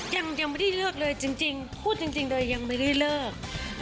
ยังไม่ได้เลือกเลยจริงพูดจริงเลยยังไม่ได้เลิก